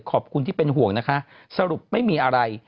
ขอบคุณที่เป็นห่วงนะคะสรุปไม่มีอะไร